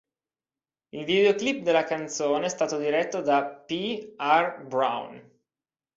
Il videoclip della canzone è stato diretto da P. R. Brown.